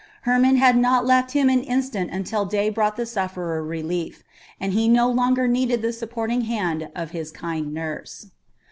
Hermon had not left him an instant until day brought the sufferer relief, and he no longer needed the supporting hand of his kind nurse.